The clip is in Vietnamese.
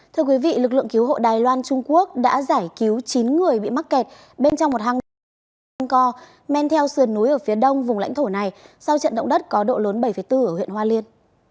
thưa quý vị lực lượng cứu hộ đài loan trung quốc đã giải cứu chín người bị mắc kẹt bên trong một hang động hang co men theo sườn núi ở phía đông vùng lãnh thổ này sau trận động đất có độ lớn bảy bốn ở huyện hoa liên